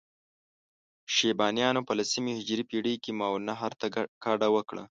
شیبانیانو په لسمې هجري پېړۍ کې ماورالنهر ته کډه وکړه.